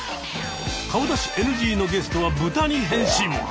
顔出しＮＧのゲストはブタに変身。